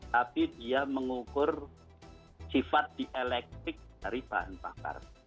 tapi dia mengukur sifat dielektif dari bahan bakar